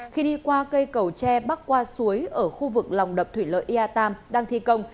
khi đi qua cây cầu tre bắc qua suối ở khu vực lòng đập thủy lợi ia tam đang thi công